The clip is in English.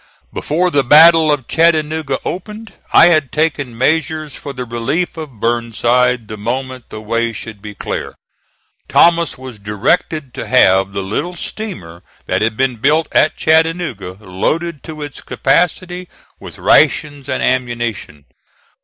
Before the battle of Chattanooga opened I had taken measures for the relief of Burnside the moment the way should be clear. Thomas was directed to have the little steamer that had been built at Chattanooga loaded to its capacity with rations and ammunition.